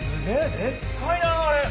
でっかいなあれ。